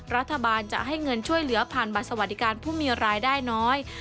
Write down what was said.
รัฐบาลจะให้เงินช่วยเหลือผ่านบัตรสวัสดิการผู้มีรายได้น้อย